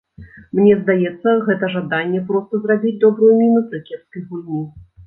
Мне здаецца, гэта жаданне проста зрабіць добрую міну пры кепскай гульні.